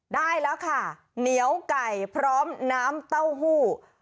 ได้แล้วค่ะเหนียวไก่พร้อมน้ำเต้าหู้